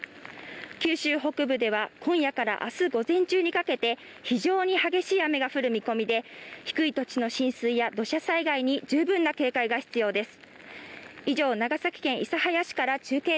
九州北部では今夜から明日午前中にかけて非常に激しい雨が降る見込みで、低い土地の浸水や土砂災害に十分な警戒が必要です。